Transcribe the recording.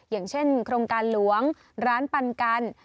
อย่างเช่นโครงการหลวงร้านปันกัน